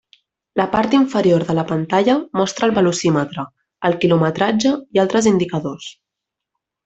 La part inferior de la pantalla mostra el velocímetre, el quilometratge i altres indicadors.